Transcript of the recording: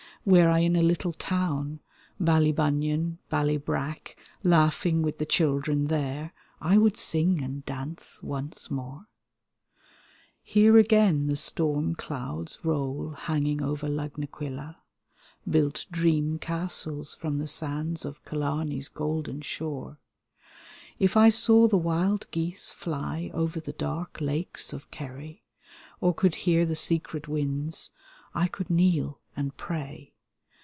Were I in a little town, Ballybunnion, Ballybrack, Laughing with the children there, I would sing and dance once more, Hear again the storm clouds roll hanging over Lugna quilla, Build dream castles from the sands of Killamey's golden shore. If I saw the wild geese fly over the dark lakes of Kerry Or could hear the secret winds, I could kneel and pray.